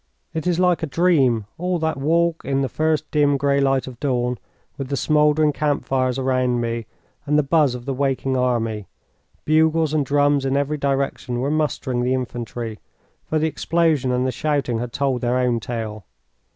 It is like a dream, all that walk in the first dim grey light of dawn, with the smouldering camp fires around me and the buzz of the waking army. Bugles and drums in every direction were mustering the infantry, for the explosion and the shouting had told their own tale.